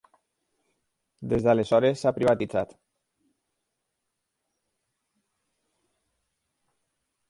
Des d'aleshores s'ha privatitzat.